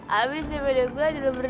habisnya beda gue aja lo berdua